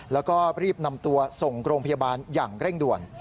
แล้วก็รีบนำตัวส่งโรงพยาบาลอย่างเร่งด่วน